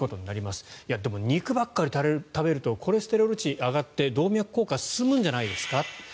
でも肉ばっかり食べるとコレステロール値が上がって動脈硬化が進むんじゃないですか。